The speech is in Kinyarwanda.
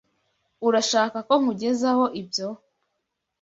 Urashaka ko nkugezaho ibyo?